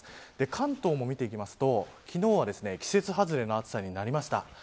関東を見ていくと、昨日は季節外れの暑さになりました。